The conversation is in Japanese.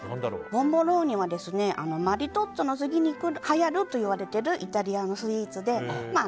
ボンボローニはマリトッツォの次に、はやるといわれているイタリアのスイーツで。